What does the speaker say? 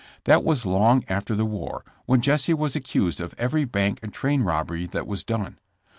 That was long after the war, when Jesse was accused of every bank and train robbery that was done.